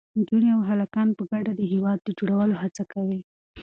نجونې او هلکان په ګډه د هېواد د جوړولو هڅه کوي.